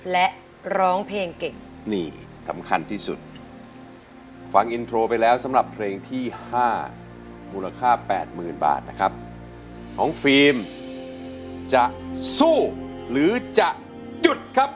และร้องเพลงเก่งนี่สำคัญที่สุดฟังอินโทรไปแล้วสำหรับเพลงที่๕มูลค่า๘๐๐๐บาทนะครับน้องฟิล์มจะสู้หรือจะหยุดครับ